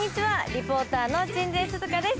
リポーターの鎮西寿々歌です。